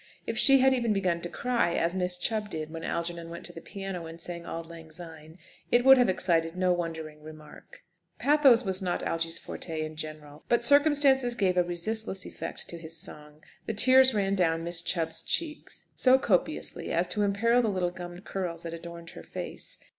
If she had even begun to cry, as Miss Chubb did when Algernon went to the piano and sang "Auld Lang Syne," it would have excited no wondering remark. Pathos was not Algy's forte in general, but circumstances gave a resistless effect to his song. The tears ran down Miss Chubb's cheeks, so copiously, as to imperil the little gummed curls that adorned her face.